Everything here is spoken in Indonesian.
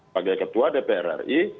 bagai ketua dpr ri